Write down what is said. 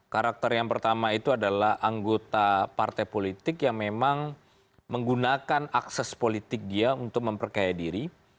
karakter yang pertama itu adalah anggota partai politik yang memang menggunakan akses politik dia untuk memperkaya diri